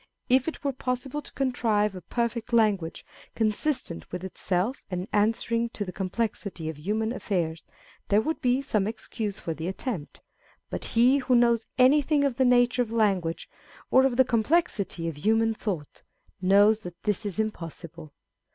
If it were possible to contrive a perfect language, consistent with itself, and answering to the com plexity of human affairs, there would be some excuse for the attempt ; but he wrho knows anything of the nature of language, or of the complexity of human thought, knows that this is impossible.